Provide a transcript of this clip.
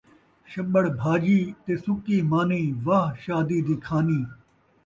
شٻڑ بھاڄی تے سُکی مانی ، واہ شادی دی کھانی